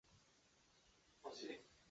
利比里亚共和国位于非洲西海岸。